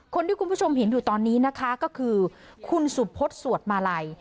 คุณผู้ชมเห็นอยู่ตอนนี้นะคะก็คือคุณสุพศสวดมาลัย